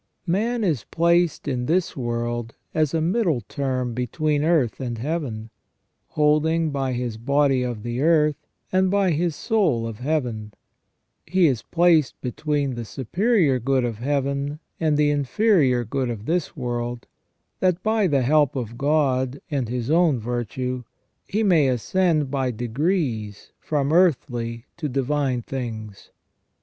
Man is placed in this world as a middle term between earth and Heaven, holding by his body of the earth, and by his soul of Heaven, He is placed between the superior good of Heaven and the inferior good of this world, that by the help of God and his own virtue he may ascend by degrees from earthly to divine things.